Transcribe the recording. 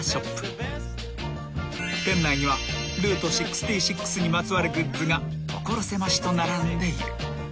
［店内にはルート６６にまつわるグッズが所狭しと並んでいる］